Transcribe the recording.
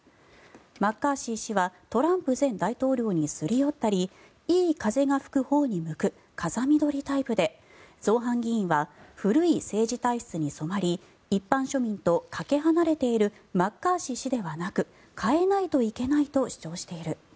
マッカーシー氏はトランプ前大統領にすり寄ったりいい風が吹くほうに向く風見鶏タイプで造反議員は古い政治体質に染まり一般庶民とかけ離れているマッカーシー氏ではなく代えないといけないと主張している。